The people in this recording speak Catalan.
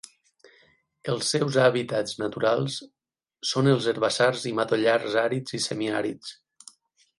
Els seus hàbitats naturals són els herbassars i matollars àrids i semiàrids.